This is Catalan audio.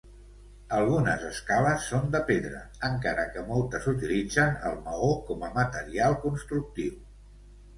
Algunes escales són de pedra, encara que moltes utilitzen el maó com a material constructiu.